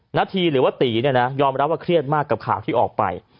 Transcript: นาธีหรือว่าตีเนี่ยนะยอมรับว่าเครียดมากกับข่าวที่ออกไป